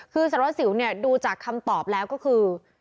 คือสารวัสสิวเนี่ยดูจากคำตอบแล้วก็คือ